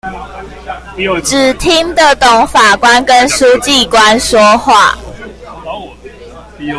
只聽得懂法官跟書記官說話